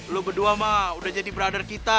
lo berdua mah udah jadi brother kita